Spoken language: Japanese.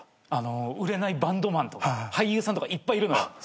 売れないバンドマンとか俳優さんとかいっぱいいるのよ。